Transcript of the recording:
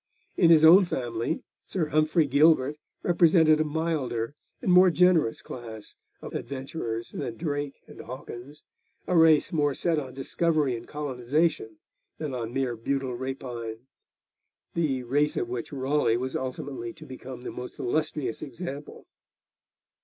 In his own family, Sir Humphrey Gilbert represented a milder and more generous class of adventurers than Drake and Hawkins, a race more set on discovery and colonisation than on mere brutal rapine, the race of which Raleigh was ultimately to become the most illustrious example.